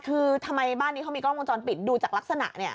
คือทำไมบ้านนี้เขามีกล้องวงจรปิดดูจากลักษณะเนี่ย